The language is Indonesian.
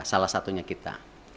salah satunya kita